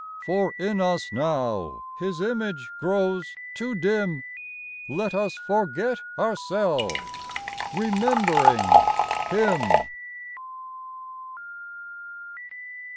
For in us now His image grows too dim : Let us forget ourselves, remembering Him